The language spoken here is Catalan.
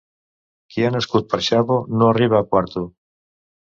Qui ha nascut per xavo no arriba a quarto.